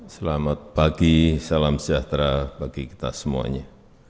selamat pagi salam sejahtera bagi kita semuanya